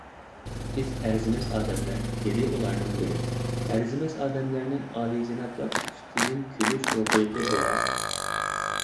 _ بىز ئەرزىمەس ئادەملەر، _ دېدى ئۇلارنىڭ بىرى، _ ئەرزىمەس ئادەملەرنىڭ ئالىيجانابلار ئۈستىدىن كۈلۈش ھوقۇقى بولار!؟